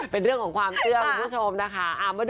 เป็นเรื่องของความเชื่อคุณผู้ชมนะคะ